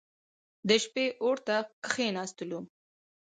د شپې اور ته کښېنستلو.